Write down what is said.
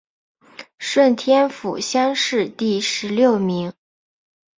顺天府乡试第十六名。